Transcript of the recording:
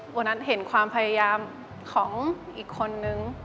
วันนั้นเห็นความพยายามของอีกคนนึง